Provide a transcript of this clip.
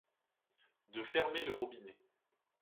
De fermer le robinet.